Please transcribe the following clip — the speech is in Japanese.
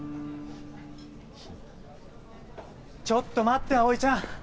ちょっと待って葵ちゃん。